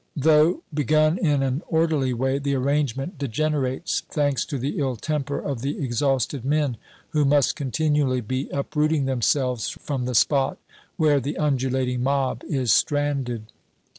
Though begun in an orderly way, the arrangement degenerates, thanks to the ill temper of the exhausted men, who must continually be uprooting themselves from the spot where the undulating mob is stranded.